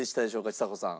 ちさ子さん。